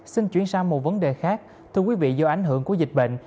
xin chuyển sang một vấn đề khác thưa quý vị do ảnh hưởng của dịch bệnh